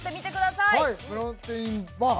はいプロテインバー？